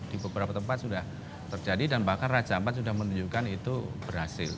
di beberapa tempat sudah terjadi dan bahkan raja ampat sudah menunjukkan itu berhasil